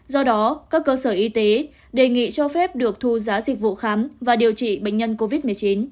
do đó các cơ sở y tế đề nghị cho phép được thu giá dịch vụ khám và điều trị bệnh nhân covid một mươi chín